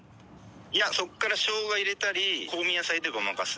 「いやそこからショウガ入れたり香味野菜でごまかす」